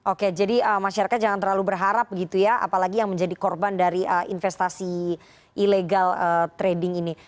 oke jadi masyarakat jangan terlalu berharap begitu ya apalagi yang menjadi korban dari investasi ilegal trading ini